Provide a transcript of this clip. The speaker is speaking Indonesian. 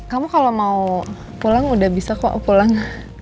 kamu kalau mau pulang udah bisa kok pulang